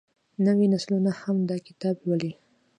نوې نسلونه هم دا کتاب لولي.